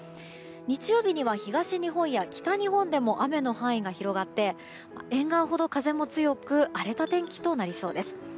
日曜日には東日本や北日本でも雨の範囲が広がって沿岸ほど風も強く荒れた天気となりそうです。